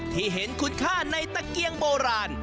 ที่เห็นคุณค่าในตะเกียงโบราณ